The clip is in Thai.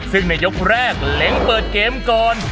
ซึ่งในยกแรกเล้งเปิดเกมก่อน